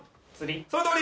そのとおり！